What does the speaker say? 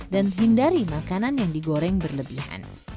dan hindari makanan yang digoreng berlebihan